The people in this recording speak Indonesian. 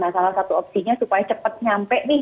nah salah satu opsinya supaya cepat nyampe nih